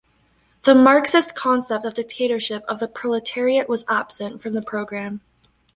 The Marxist concept of dictatorship of the proletariat was absent from the program.